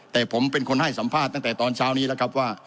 แต่ผมเป็นคนให้สัมภาษณ์ตั้งแต่ตอนเช้านี้แล้วครับว่า